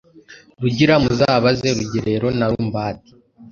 RugiraMuzabaze Rugerero na Rumbati.